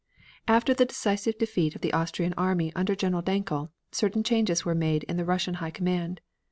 After the decisive defeat of the Austrian army under General Dankl, certain changes were made in the Russian High Command.